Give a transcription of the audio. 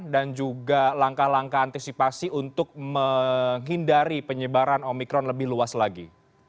dan juga langkah langkah antisipasi untuk menghindari penyebaran omikron lebih luas lagi